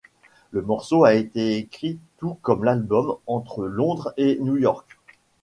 Le morceau a été écrit, tout comme l'album, entre Londres et New York.